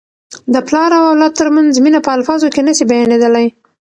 د پلار او اولاد ترمنځ مینه په الفاظو کي نه سي بیانیدلی.